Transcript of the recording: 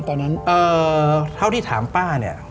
ตอนนั้นเท่าที่ถามป้าเนี่ย